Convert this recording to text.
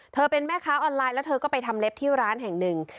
เป็นแม่ค้าออนไลน์แล้วเธอก็ไปทำเล็บที่ร้านแห่งหนึ่ง